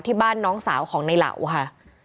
ที่บ้านน้องสาวของในเหล่าค่ะ